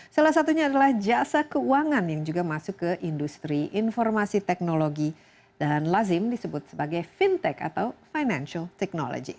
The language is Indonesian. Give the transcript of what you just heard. salah satunya adalah jasa keuangan yang juga masuk ke industri informasi teknologi dan lazim disebut sebagai fintech atau financial technology